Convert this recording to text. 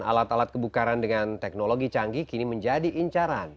alat alat kebukaran dengan teknologi canggih kini menjadi incaran